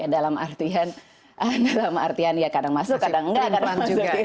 dalam artian kadang masuk kadang tidak